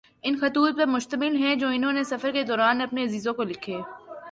ان خطوط پر مشتمل ہیں جو انھوں نے سفر کے دوران اپنے عزیزوں کو لکھے